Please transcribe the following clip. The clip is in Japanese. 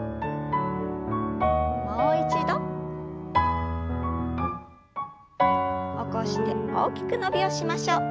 もう一度。起こして大きく伸びをしましょう。